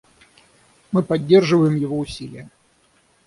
Мы поддерживаем его усилия.